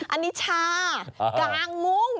อันนี้ชากลางมุ้ง